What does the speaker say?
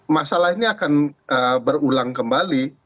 masalah ini akan berulang kembali